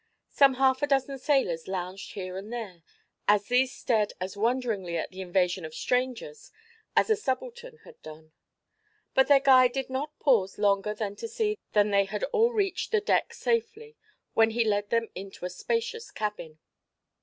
Some half a dozen sailors lounged here and there and these stared as wonderingly at the invasion of strangers as the subaltern had done. But their guide did not pause longer than to see that they had all reached the deck safely, when he led them into a spacious cabin.